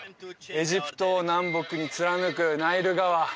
エジプトを南北に貫くナイル川